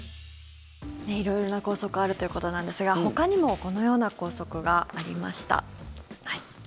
色々な校則があるということなんですがほかにもこのような校則がありました。